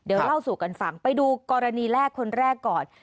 เดี๋ยวเล่าสู่กันฟังไปดูกรณีแรกคนแรกก่อน